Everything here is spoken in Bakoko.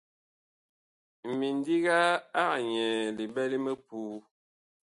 Mindiga ag nyɛɛ liɓɛ li mipuu.